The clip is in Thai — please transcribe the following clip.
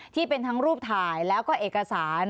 ที่เป็นทั้งรูปถ่ายแล้วก็เอกสาร